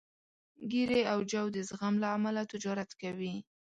ګېري او جو د زغم له امله تجارت کوي.